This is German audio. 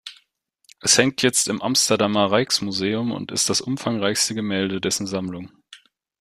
Es hängt jetzt im Amsterdamer Rijksmuseum und ist das umfangreichste Gemälde dessen Sammlung.